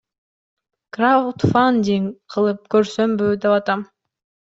Краудфандинг кылып көрсөмбү деп атам.